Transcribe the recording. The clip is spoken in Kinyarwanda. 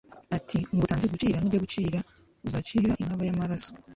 ati, Ngutanze gucira n’ujya gucira, uzacira inkaba y’amaraso